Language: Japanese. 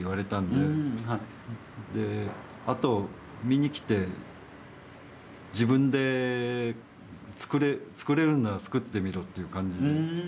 であと見に来て自分で作れるんなら作ってみろっていう感じで。